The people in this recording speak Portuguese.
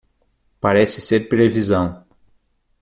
Parece ser previsão